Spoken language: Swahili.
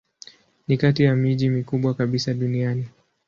Ni kati ya miji mikubwa kabisa duniani.